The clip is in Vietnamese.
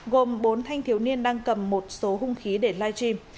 gồm bốn thanh thiếu niên đang cầm một số hung khí để live stream